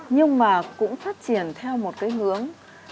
nhưng mà cũng phát triển theo một cái hướng